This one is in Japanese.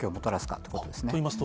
といいますと。